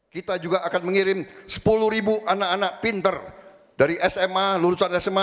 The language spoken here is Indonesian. kita juga akan mengirim sepuluh ribu anak anak pinter dari sma lulusan sma